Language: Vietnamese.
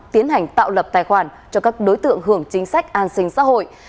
tiến hành tạo lập tài khoản cho các đối tượng hưởng chính sách an sinh xã hội